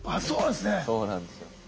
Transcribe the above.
そうなんですよ。